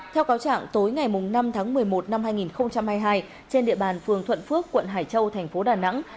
theo cáo trạng tối ngày năm tháng một mươi một năm hai nghìn hai mươi hai trên địa bàn phường thuận phước quận hải châu thành phố đà nẵng